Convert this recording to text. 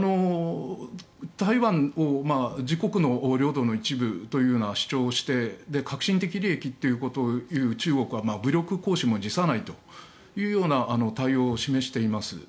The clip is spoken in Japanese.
台湾を自国の領土の一部という主張をして核心的利益ということを言う中国は武力行使も辞さないという対応を示しています。